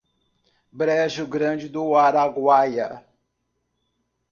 Brejo Grande do Araguaia